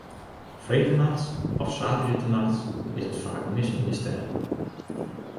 Freedtenachts of saterdeitenachts is it faak mis yn de stêden.